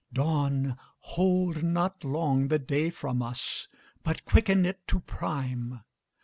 — Dawn, hold not long the day from us, But quicken it to prime!